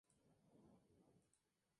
Siempre amor y entrega para su canción.